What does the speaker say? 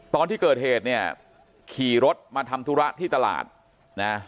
ตอนที่เกิดเหตุเนี่ยขี่รถมาทำธุระที่ตลาดนะ